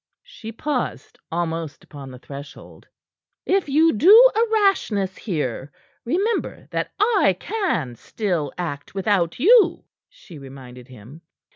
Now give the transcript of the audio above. She paused almost upon the threshold. "If you do a rashness, here, remember that I can still act without you," she reminded him.